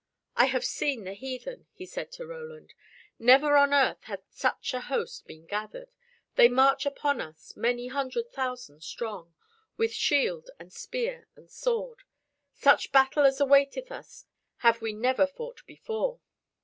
"I have seen the heathen," he said to Roland. "Never on earth hath such a host been gathered. They march upon us many hundred thousand strong, with shield and spear and sword. Such battle as awaiteth us have we never fought before."